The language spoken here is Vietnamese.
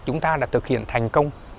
chúng ta đã thực hiện thành công